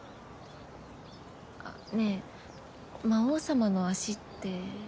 あっねえ魔王様の足って。